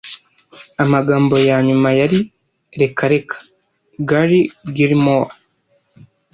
Amagambo yanyuma yari "reka reka" Garry Gilmore